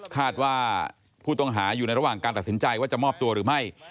คาดว่าผู้ต้องหาอยู่ในระหว่างการตัดสินใจว่าจะมอบตัวหรือไม่